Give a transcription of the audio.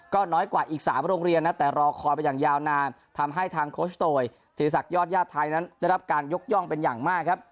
ก็น้อยกว่าอีก๓โรงเรียนนะแต่รอคอยไปอย่างยาวนานทำให้ทางโคชโตยศิริษักยอดญาติไทยนั้นได้รับการยกย่องเป็นอย่างมากครับ